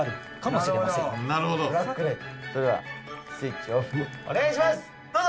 それではスイッチオフお願いしますどうぞ。